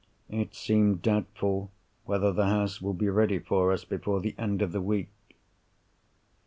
It seemed doubtful whether the house would be ready for us before the end of the week.